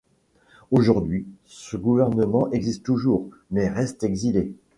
Aujourd'hui, ce gouvernement existe toujours, mais reste exilé.